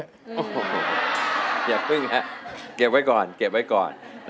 อยากพึ่งนะเก็บไว้ก่อน